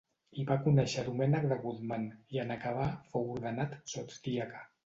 Hi va conèixer Domènec de Guzmán i en acabar fou ordenat sotsdiaca.